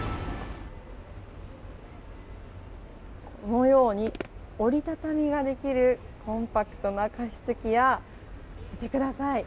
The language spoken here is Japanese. このように折り畳みができるコンパクトな加湿器や見てください。